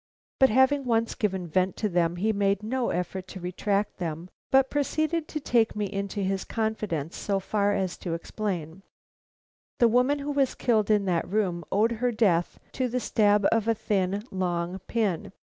But having once given vent to them, he made no effort to retract them, but proceeded to take me into his confidence so far as to explain: "The woman who was killed in that room owed her death to the stab of a thin, long pin.